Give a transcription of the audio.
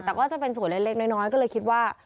แต่ก็จะเป็นส่วนเล็กน้อยก็เลยคิดว่า